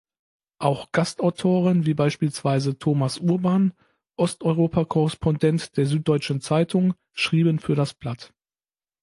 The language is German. Auch Gastautoren wie beispielsweise Thomas Urban, Osteuropa-Korrespondent der Süddeutschen Zeitung, schrieben für das Blatt.